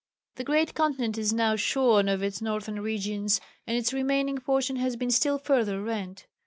The great continent is now shorn of its northern regions, and its remaining portion has been still further rent.